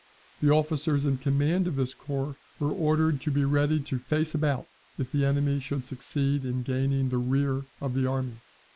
The officers in command of this corps were ordered to be ready to face about, if the enemy should succeed in gaining the rear of the army.